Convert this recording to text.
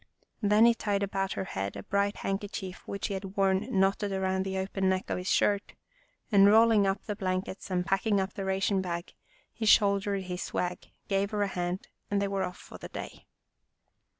Then he tied about her head a bright handkerchief which he had worn knotted around the open neck of his shirt, and rolling up the blankets and packing up the ration bag, he shouldered his swag, gave her a hand, and they were off for the day.